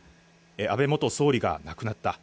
安倍元総理が亡くなった。